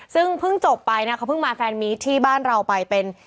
ซึ่งเพิ่งจบไปนะเขาเพิ่งมาแฟนมีที่บ้านเราไปเป็น